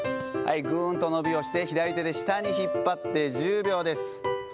ぐーんと伸びをして、左手で下に引っ張って、１０秒です。